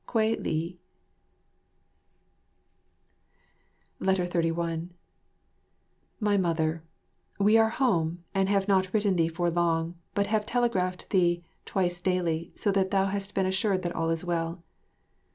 Kwei li. 31 My Mother, We are home, and have not written thee for long, but have telegraphed thee twice daily, so that thou hast been assured that all is well.